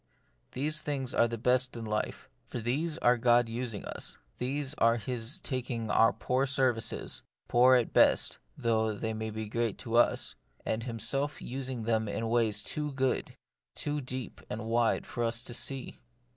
These things are the best in life ; for these are God using us, these are His taking The Mystery of Pain. 91 our poor services — poor at the best, though they may be great to us — and Himself using them in ways too good, too deep and wide for us to see.